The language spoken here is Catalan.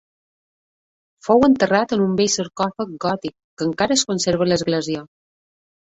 Fou enterrat en un bell sarcòfag gòtic que encara es conserva a l'església.